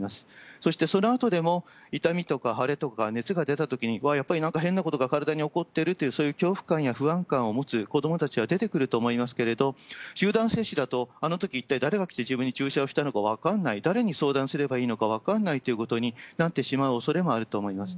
そしてそのあとでも、痛みとか腫れとか、熱が出たときに、わー、やっぱりなんか変なことが体に起こってるという、そういう恐怖感や不安感を持つ子どもたちが出てくると思いますけれど、集団接種だと、あのとき一体誰が来て、自分に注射をしたのか分かんない、誰に相談すればいいのか分かんないということになってしまう恐れもあると思います。